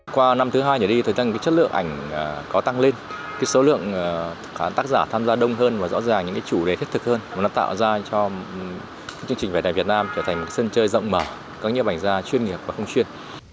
chính họ đã giúp lan tỏa giá trị của về đẹp việt nam trở thành một sân chơi rộng mở các nghiệp ảnh gia chuyên nghiệp và không chuyên